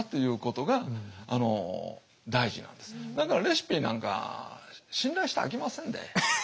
だからレシピなんか信頼したらあきませんで。